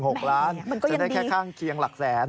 มันก็ยังดีฉันได้แค่ข้างเคียงหลักแสน